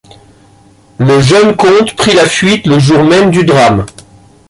Le jeune comte prit la fuite le jour même du drame.